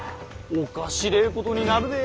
おっかしれえことになるで。